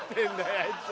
あいつら。